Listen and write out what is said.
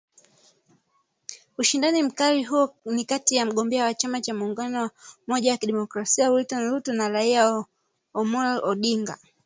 Ushindani mkali huo ni kati ya mgombea wa chama cha Muunganiko wa Umoja wa Kidemokrasia William Ruto na Raila Amollo Odinga